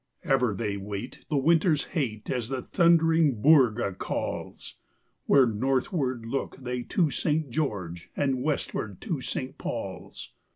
Ever they wait the winter's hate as the thundering_ boorga _calls, Where northward look they to St. George, and westward to St. Paul's.